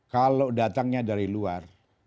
kalau datangnya dari luar